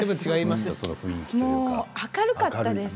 明るかったです。